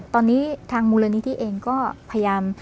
ตอนนี้ทางมูลนิธิเองก็พยายาม